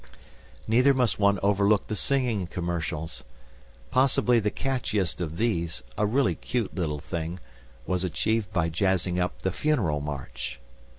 Neither must one overlook the singing commercials. Possibly the catchiest of these, a really cute little thing, was achieved by jazzing up the Funeral March.